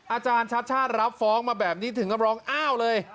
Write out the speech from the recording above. อาจารย์ชัดชาติรับฟ้องมาแบบนี้ถึงกับร้องอ้าวเลย